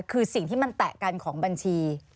คือสิ่งที่มันแตะกันของบัญชี